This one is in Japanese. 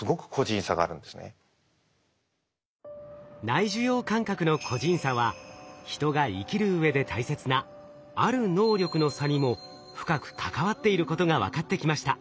内受容感覚の個人差は人が生きるうえで大切なある能力の差にも深く関わっていることが分かってきました。